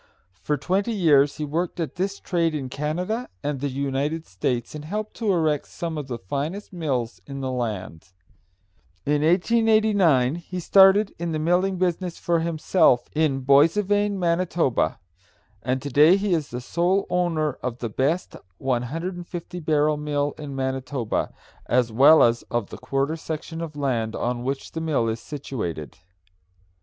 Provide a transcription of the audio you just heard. For twenty years he worked at this trade in Canada and the United States, and helped to erect some of the finest mills in the land. In 1889 he started in the milling business for himself in Boissevain, Man., and to day he is sole owner of the best 150 barrel mill in Manitoba, as well as of the quarter section of land on which the mill is situated.